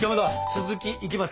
続きいきますか。